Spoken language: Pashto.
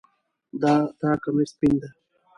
د تا کمیس سپین ده